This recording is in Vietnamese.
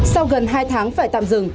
sau gần hai tháng phải tạm dừng